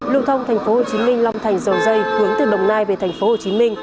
sáu mươi sáu nghìn năm trăm linh hai lưu thông tp hcm long thành dầu dây hướng từ đồng nai về tp hcm